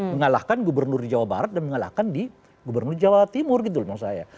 mengalahkan gubernur di jawa barat dan mengalahkan di gubernur jawa timur gitu loh maksud saya